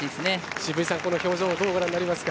渋井さん、この表情どうご覧になりますか？